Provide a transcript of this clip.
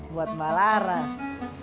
buat mbak laras